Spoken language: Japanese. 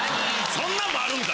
そんなんあるんや。